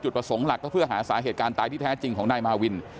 ประสงค์หลักก็เพื่อหาสาเหตุการณ์ตายที่แท้จริงของนายมาวิน